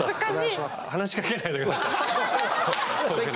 話しかけないで下さい。